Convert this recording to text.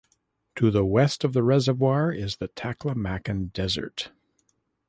To the west of the reservoir is the Taklamakan Desert.